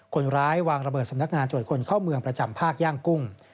คนร้ายวางระเบิดสำนักงานตรวจคนเข้าเมืองประจำภาคย่างกุ้ง